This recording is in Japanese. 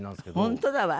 本当だわ。